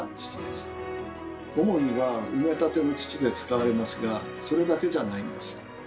主には埋め立ての土で使われますがそれだけじゃないんです。